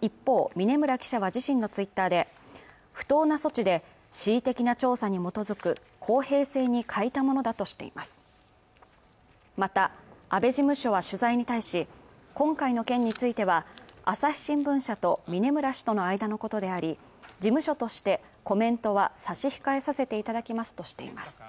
一方峯村記者は自身のツイッターで不当な措置で恣意的な調査に基づく公平性に欠いたものだとしていますまた安倍事務所は取材に対し今回の件については朝日新聞社と峯村氏との間のことであり事務所としてコメントは差し控えさせていただきますとしています